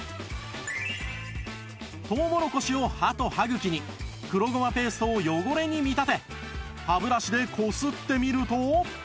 トウモロコシを歯と歯茎に黒ごまペーストを汚れに見立て歯ブラシでこすってみると